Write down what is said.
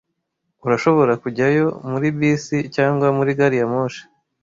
Urashobora kujyayo muri bisi cyangwa muri gari ya moshi.